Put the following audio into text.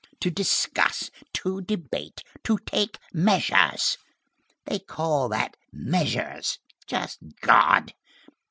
to discuss, to debate, to take measures! They call that measures, just God!